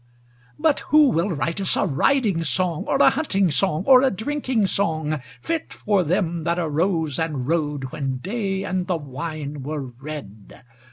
But who will write us a riding song, Or a hunting song or a drinking song, Fit for them that arose and rode When day and the wine were red?